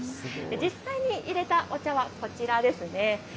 実際に入れたお茶はこちらです。